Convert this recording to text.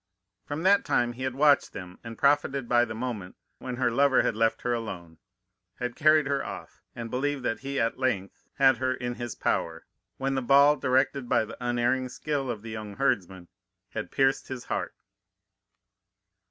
From that time he had watched them, and profiting by the moment when her lover had left her alone, had carried her off, and believed he at length had her in his power, when the ball, directed by the unerring skill of the young herdsman, had pierced his heart.